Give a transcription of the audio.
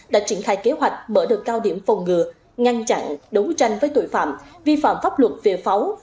đã triển khai kế hoạch mở được cao điểm phòng ngừa ngăn chặn đấu tranh với tội phạm vi phạm pháp luật về pháo